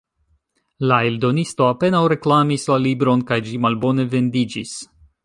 La eldonisto apenaŭ reklamis la libron, kaj ĝi malbone vendiĝis.